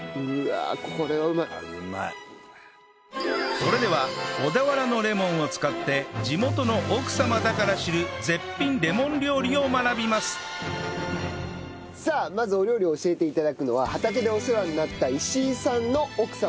それでは小田原のレモンを使って地元の奥様だから知るさあまずお料理を教えて頂くのは畑でお世話になった石井さんの奥様です。